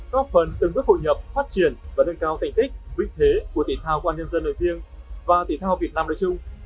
góp phần từng bước hội nhập phát triển và nâng cao thành tích vinh thế của thể thao công an nhân dân nơi riêng và thể thao việt nam nói chung